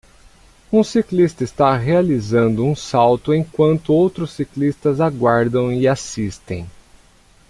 Um ciclista está realizando um salto enquanto outros ciclistas aguardam e assistem.